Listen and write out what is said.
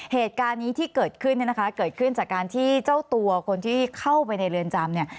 เหตุการณ์นี้ที่เกิดขึ้นเนี่ยนะคะเกิดขึ้นจากการที่เจ้าตัวคนที่เข้าไปในเรือนจำเนี่ย